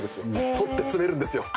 取って詰めるんですよ。